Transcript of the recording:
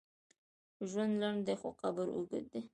ژوند لنډ دی، خو قبر اوږد دی.